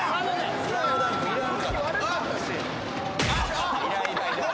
『スラムダンク』いらんから。